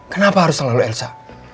kenapa harus terlalu elsa